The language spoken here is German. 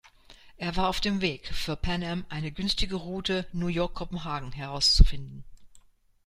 Er war auf dem Weg, für Pan Am eine günstige Route New York-Kopenhagen herauszufinden.